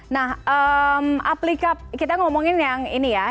nah aplika kita ngomongin yang ini ya